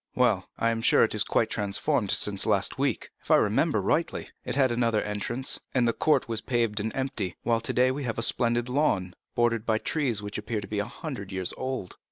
"Well, I am sure it is quite transformed since last week. If I remember rightly, it had another entrance, and the courtyard was paved and empty; while today we have a splendid lawn, bordered by trees which appear to be a hundred years old."